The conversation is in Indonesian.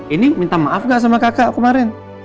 ini minta maaf gak sama kakak kemarin